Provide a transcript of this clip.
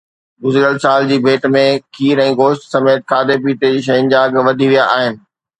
گذريل سال جي ڀيٽ ۾ کير ۽ گوشت سميت کاڌي پيتي جي شين جا اگهه وڌي ويا آهن